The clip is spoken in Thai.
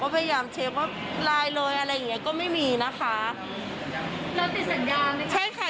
พยายามเชฟว่าไลน์เลยอะไรอย่างเงี้ยก็ไม่มีนะคะเราติดสัญญาณใช่ค่ะ